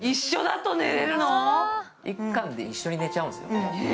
１巻で一緒に寝ちゃうんですよね。